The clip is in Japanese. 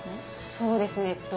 そうですね。